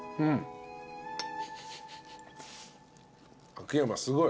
秋山すごい。